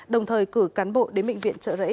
đồng thời cử cán bộ đến bệnh viện trợ rẫy